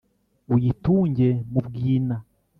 Uyitunge mu bwina*,